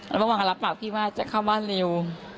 แล้วประมาณรับปากพี่มาจะเข้าบ้านเร็ว